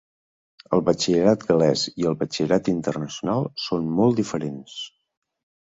El batxillerat gal·lès i el Batxillerat Internacional són molt diferents.